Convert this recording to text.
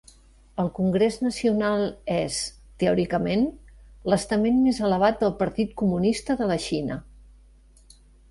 El Congrés Nacional és, teòricament, l'estament més elevat del Partit Comunista de la Xina.